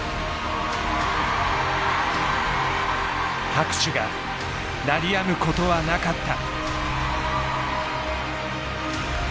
拍手が鳴りやむことはなかった。